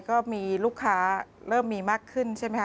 ก็มีลูกค้าเริ่มมีมากขึ้นใช่ไหมคะ